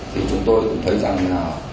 thì chúng tôi cũng thấy rằng